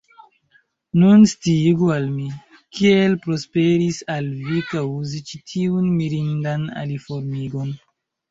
Nun sciigu al mi, kiel prosperis al vi kaŭzi ĉi tiun mirindan aliformigon.